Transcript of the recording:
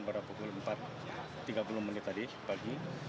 sekarang berapa pukul empat tiga puluh menit tadi pagi